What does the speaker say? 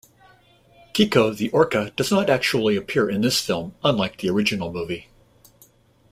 Keiko the Orca does not actually appear in this film unlike the original movie.